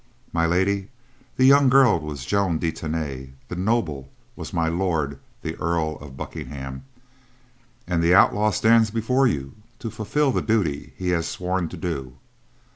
"My Lady, the young girl was Joan de Tany; the noble was My Lord the Earl of Buckingham; and the outlaw stands before you to fulfill the duty he has sworn to do.